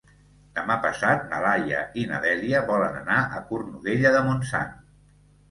Demà passat na Laia i na Dèlia volen anar a Cornudella de Montsant.